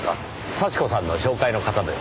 幸子さんの紹介の方です。